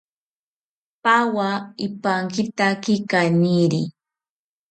Pawa ipankitaki kaniri